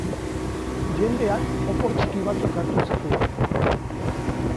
Jendeak opor txiki batzuk hartu zituen.